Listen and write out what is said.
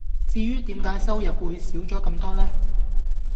至於點解收入會少咗咁多呢?